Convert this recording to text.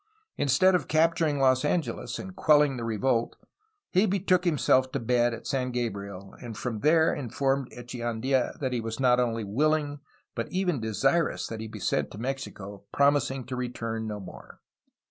Instead of capturing Los Angeles and quelling the revolt, he betook himself to bed at San Gabriel, and from there informed Echeandla that he was not only wiUing but even desirous that he be sent to Mexico, promising to return no more.